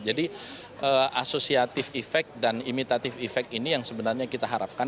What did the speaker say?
jadi asosiatif efek dan imitatif efek ini yang sebenarnya kita harapkan